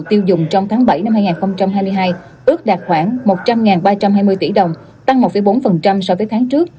tiêu dùng trong tháng bảy năm hai nghìn hai mươi hai ước đạt khoảng một trăm linh ba trăm hai mươi tỷ đồng tăng một bốn so với tháng trước